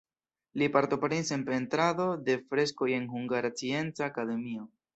Li partoprenis en pentrado de freskoj en Hungara Scienca Akademio.